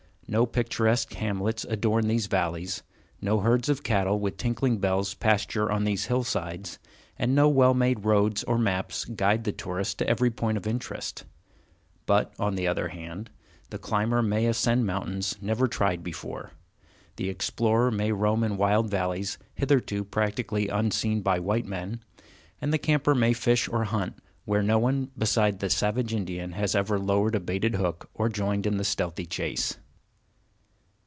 No picturesque hamlets adorn these valleys, no herds of cattle with tinkling bells pasture on these hillsides, and no well made roads or maps guide the tourist to every point of interest; but, on the other hand, the climber may ascend mountains never tried before, the explorer may roam in wild valleys hitherto practically unseen by white men; and the camper may fish or hunt where no one besides the savage Indian has ever lowered a baited hook or joined in the stealthy chase.